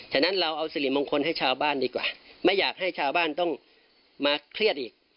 ฉะนั้นเราเอาสิริมงคลให้ชาวบ้านดีกว่าไม่อยากให้ชาวบ้านต้องมาเครียดอีก